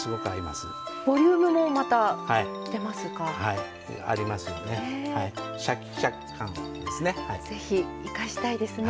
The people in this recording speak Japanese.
ボリュームもまた出ますね。